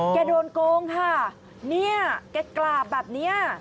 โดนโกงค่ะเนี่ยแกกราบแบบเนี้ย